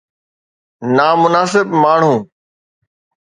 نامناسب ماڻهو